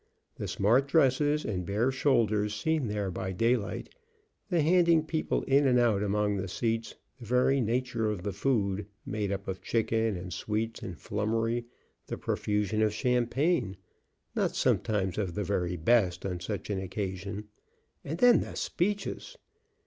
The smart dresses and bare shoulders seen there by daylight, the handing people in and out among the seats, the very nature of the food, made up of chicken and sweets and flummery, the profusion of champagne, not sometimes of the very best on such an occasion; and then the speeches!